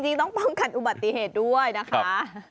ต้องป้องกันอุบัติเหตุด้วยนะคะ